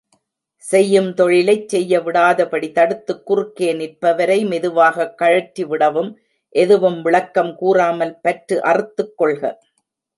செய்யும் தொழிலைச் செய்யவிடாதபடி தடுத்துக் குறுக்கே நிற்பவரை மெதுவாகக் கழற்றிவிடவும் எதுவும் விளக்கம் கூறாமல் பற்று அறுத்துக் கொள்க.